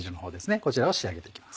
こちらを仕上げて行きます。